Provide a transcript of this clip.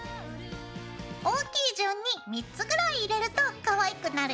大きい順に３つぐらい入れるとかわいくなるよ。